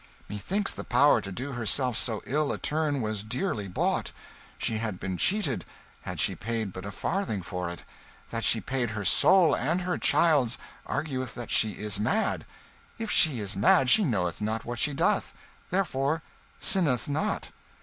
"Methinks the power to do herself so ill a turn was dearly bought. She had been cheated, had she paid but a farthing for it; that she paid her soul, and her child's, argueth that she is mad; if she is mad she knoweth not what she doth, therefore sinneth not."